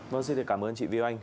vâng xin cảm ơn chị vy oanh